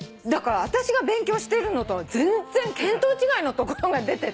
私が勉強してるのと全然見当違いのところが出てて。